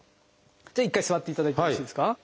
じゃあ一回座っていただいてよろしいですか？